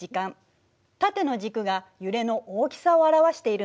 縦の軸が揺れの大きさを表しているの。